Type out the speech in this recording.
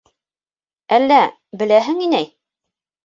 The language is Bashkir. Әллә., беләһең, инәй?